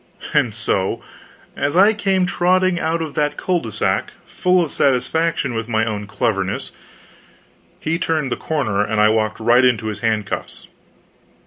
And so, as I came trotting out of that cul de sac, full of satisfaction with my own cleverness, he turned the corner and I walked right into his handcuffs.